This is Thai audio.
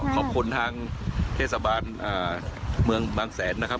ขอบคุณทางเทศบาลเมืองบางแสนนะครับ